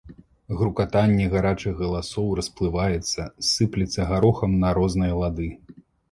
Грукатанне гарачых галасоў расплываецца, сыплецца гарохам на розныя лады.